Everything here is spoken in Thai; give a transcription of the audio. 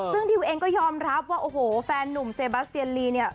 ซึ่งทิวเองก็ยอมรับว่าโอ้โหแฟนนุ่มเซบัสเตียนลีเนี่ย